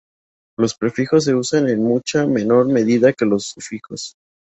Los prefijos se usan en mucha menor medida que los sufijos.